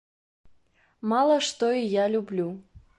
Мала што і я люблю.